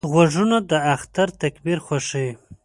غوږونه د اختر تکبیر خوښوي